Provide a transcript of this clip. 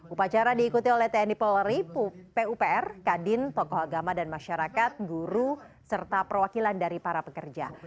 upacara diikuti oleh tni polri pupr kadin tokoh agama dan masyarakat guru serta perwakilan dari para pekerja